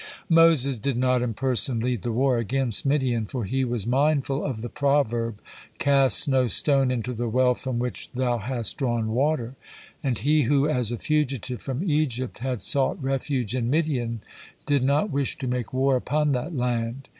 Moses did not in person lead the war against Midian, for he was mindful of the proverb, "Cast no stone into the well from which thou hast drawn water," and he who as a fugitive from Egypt had sought refuge in Midian, did not wish to make war upon that land.